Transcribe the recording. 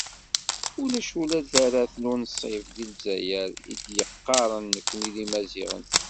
Ulac ula d arrat unṣib deg Lezzayer, i d-yaqqaren nekni d Imaziɣen.